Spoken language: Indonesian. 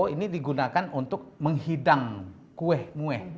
ini digunakan untuk menghidang kueh mueh